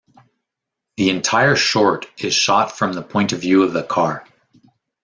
The entire short is shot from the point of view of the car.